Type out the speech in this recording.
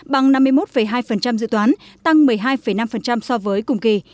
bằng năm mươi một hai dự toán tăng một mươi hai năm so với cùng kỳ